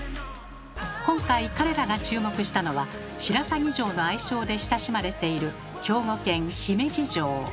今回彼らが注目したのは「白鷺城」の愛称で親しまれている兵庫県姫路城。